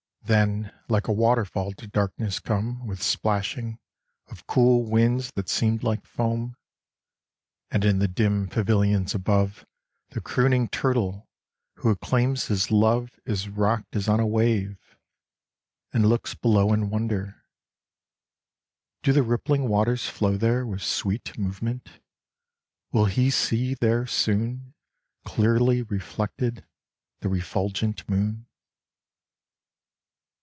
28 " The Valley of the Giants." Then like a waterfall did darkness come With splashing of cool winds that seemed like foam, And in the dim pavilions above The crooning turtle who acclaims his love Is rocked as on a wave, and looks beUjw In wonder ; do the rippling waters flow There with sweet movement, will he see there soon, Clearly reflected, the refulgent moon